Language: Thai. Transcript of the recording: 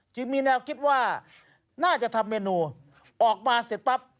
มีแนวคิดว่าน่าจะทำเมนูออกมาเสร็จปั๊บ